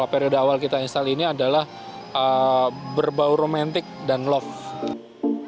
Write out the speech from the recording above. periode awal kita install ini adalah berbau romantik dan love